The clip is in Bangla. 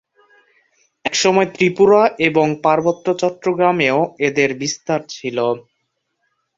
একসময় ত্রিপুরা এবং পার্বত্য চট্টগ্রামেও এদের বিস্তার ছিল।